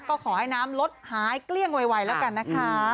ก็ขอให้น้ำลดหายเกลี้ยงไวแล้วกันนะคะ